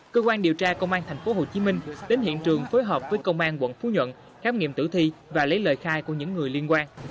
cơ quan điều tra công an tp hcm đến hiện trường phối hợp với công an quận phú nhuận khám nghiệm tử thi và lấy lời khai của những người liên quan